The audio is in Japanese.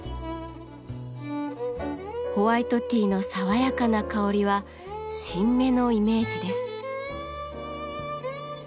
ホワイトティーの爽やかな香りは新芽のイメージです。